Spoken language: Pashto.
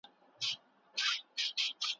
روښانه فکر اندیښنه نه پیدا کوي.